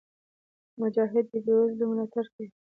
مجاهد د بېوزلو ملاتړ کوي.